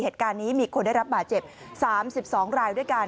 เหตุการณ์นี้มีคนได้รับบาดเจ็บ๓๒รายด้วยกัน